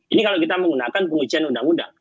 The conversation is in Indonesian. ini kalau kita menggunakan pengujian undang undang